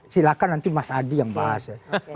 silahkan nanti mas adi yang bahas ya